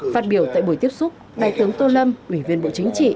phát biểu tại buổi tiếp xúc đại tướng tô lâm ủy viên bộ chính trị